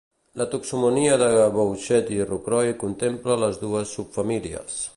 La taxonomia de Bouchet i Rocroi contempla les dues subfamílies.